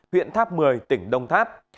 huyện tháp một mươi tỉnh đồng tháp